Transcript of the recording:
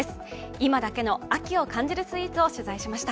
今だけの秋を感じるスイーツを取材しました。